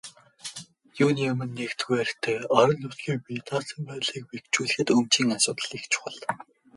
Юуны өмнө, нэгдүгээрт, орон нутгийн бие даасан байдлыг бэхжүүлэхэд өмчийн асуудал их чухал байна.